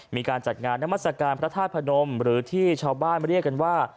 มีการจัดงานนามัศกาลพระธาตุพนมหรือที่ชาวบ้านมาเรียกกันว่า